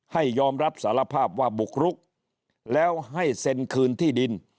ยอมรับสารภาพว่าบุกรุกแล้วให้เซ็นคืนที่ดิน